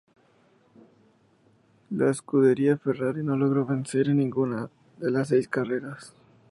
La Scuderia Ferrari no logró vencer en ninguna de las seis carreras.